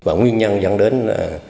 và nguyên nhân dẫn đến là